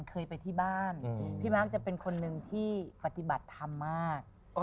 เคยไปที่บ้านพี่มาร์คจะเป็นคนหนึ่งที่ปฏิบัติธรรมมาก